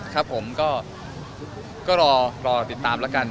ครับผมก็รอติดตามแล้วกัน